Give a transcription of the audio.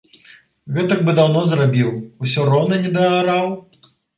Гэтак бы даўно зрабіў, усё роўна не даараў?